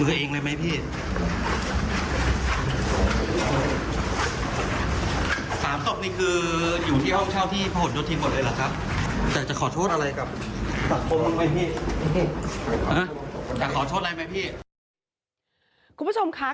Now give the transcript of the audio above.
คุณผู้ชมคะ